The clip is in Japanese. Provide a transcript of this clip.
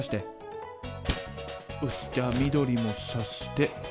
よしじゃあ緑もさして。